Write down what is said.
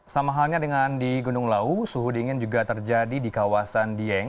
sama halnya dengan di gunung lau suhu dingin juga terjadi di kawasan dieng